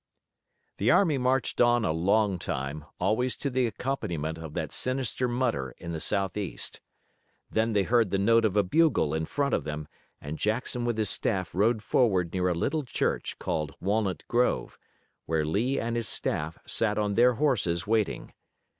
The army marched on a long time, always to the accompaniment of that sinister mutter in the southeast. Then they heard the note of a bugle in front of them and Jackson with his staff rode forward near a little church called Walnut Grove, where Lee and his staff sat on their horses waiting.